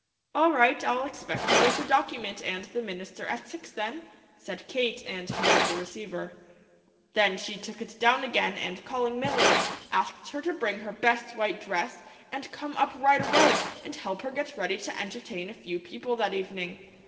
"All right, I'll expect you with the document and the minister at six, then," said Kate, and hung up the receiver. Then she took it down again and calling Milly, asked her to bring her best white dress, and come up right away, and help her get ready to entertain a few people that evening.